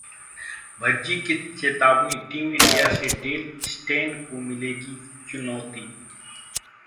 भज्जी की चेतावनी- team India से डेल स्टेन को मिलेगी चुनौती